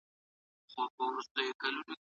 خیر محمد ته د خپلې لور مسکا تر هر څه لوړه وه.